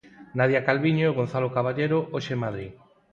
Nadia Calviño e Gonzalo Caballero, hoxe, en Madrid.